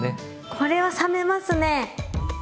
これは覚めますね。